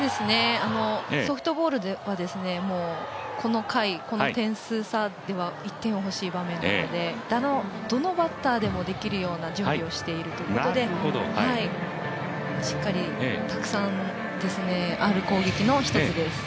ソフトボールではこの回、この点数差では１点は欲しい場面なのでどのバッターでもできるような準備をしているということでしっかりたくさんある攻撃の一つです。